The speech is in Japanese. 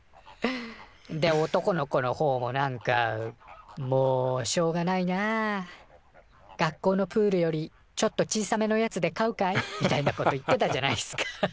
で男の子のほうもなんか「もうしょうがないな。学校のプールよりちょっと小さめのやつで飼うかい？」みたいなこと言ってたじゃないっすか。